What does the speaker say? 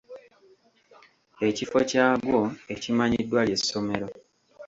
Ekifo kyagwo ekimanyiddwa, lye ssomero.